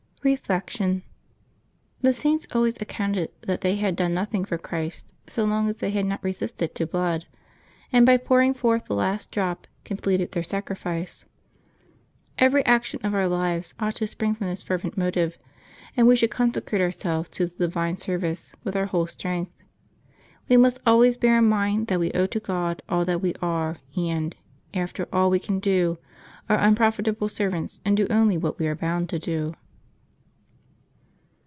Reflection. — The Saints always accounted that they had done nothing for Christ so long as they had not resisted to blood, and by pouring forth the last drop completed their sacrifice. Every action of our lives ought to spring from this fervent motive, and we should consecrate ourselves to the divine service with our whole strength; we must always bear in mind that we owe to God all that we are, and, after all we can do, are unprofitable servants, and do only what we are bound to do.